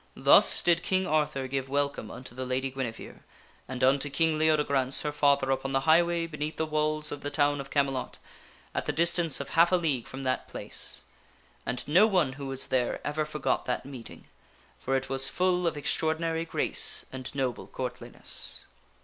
Thus did King Arthur give welcome unto the Lady Guinevere and unto King Leodegrance her father upon the highway beneath the walls of the town of Carnelot, at the distance of half a league from that place. And no one who was there ever forgot that meeting, for it was full of extraordinary grace and noble courtliness.